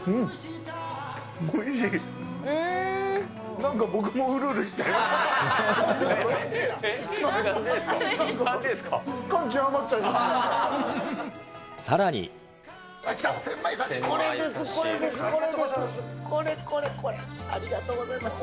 なんか僕もうるうるしちゃいました。